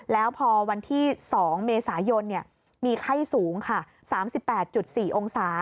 แล้วพอวันที่๒เมษายนมีไข้สูงค่ะ๓๘๔องศา